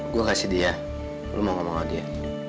gue kasih dia lo mau ngomong sama dia